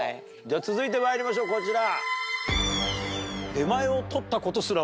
続いてまいりましょうこちら。